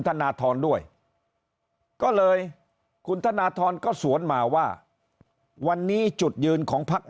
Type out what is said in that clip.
ธนทรด้วยก็เลยคุณธนทรก็สวนมาว่าวันนี้จุดยืนของพัก